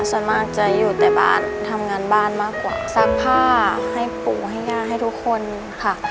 ส่วนมากจะอยู่แต่บ้านทำงานบ้านมากกว่าซักผ้าให้ปู่ให้ย่าให้ทุกคนค่ะ